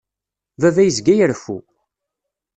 Baba yezga ireffu.